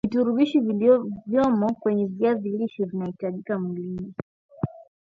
virutubishi vilivyomo kwenye viazi lishe vinahitajika mwilini